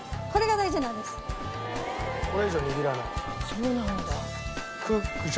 そうなんだ。